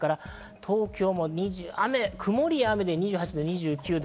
東京も曇りや雨で２８度、２９度。